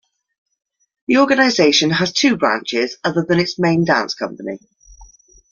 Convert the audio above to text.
The organization has two branches other than its main dance company.